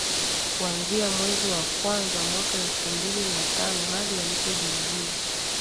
kuanzia mwezi wa kwanza mwaka elfu mbili na tano hadi alipojiuzulu